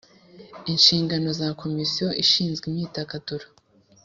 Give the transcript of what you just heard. Inshingano za komisiyo ishinzwe imyidagaduro